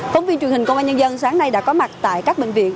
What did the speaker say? phóng viên truyền hình công an nhân dân sáng nay đã có mặt tại các bệnh viện